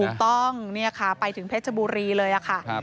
ถูกต้องเนี่ยค่ะไปถึงเพชรบุรีเลยค่ะ